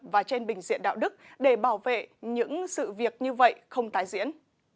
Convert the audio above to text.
và trên bình diện đạo đức để bảo vệ những sự việc như vậy không tái diễn